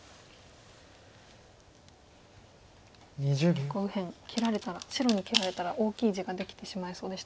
結構右辺切られたら白に切られたら大きい地ができてしまいそうでしたが。